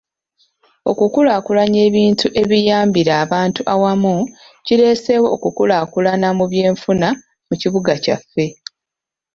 Okukulaakulanya ebintu ebiyambira abantu awamu kireeseewo okukulaakulana mu byenfuna mu kibuga kyaffe.